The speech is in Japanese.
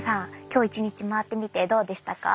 今日１日回ってみてどうでしたか？